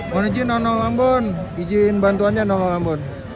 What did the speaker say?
mohon izin nololambun izin bantuannya nololambun